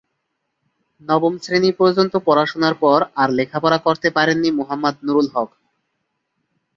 নবম শ্রেণী পর্যন্ত পড়াশোনার পর আর লেখাপড়া করতে পারেননি মোহাম্মদ নূরুল হক।